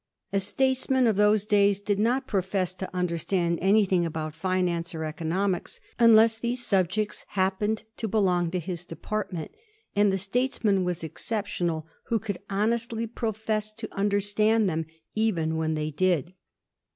A statesman of those days did not profess to under stand anything about finance or economics, unless these subjects happened to belong to his depart ment ; and the statesman was exceptional who could honestly profess to imderstand them even when they did.